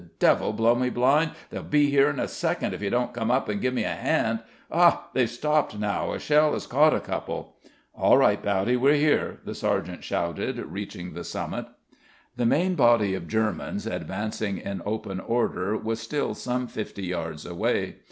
"Devil blow me blind, they'll be here in a second if you don't come up and give me a hand.... Ha! They've stopped now, a shell has caught a couple." "All right, Bowdy, we're here," the sergeant shouted reaching the summit. The main body of Germans, advancing in open order, was still some fifty yards away.